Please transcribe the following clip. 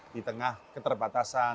di tengah keterbatasan